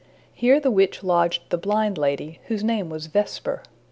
Here the witch lodged the blind lady, whose name was Vesper.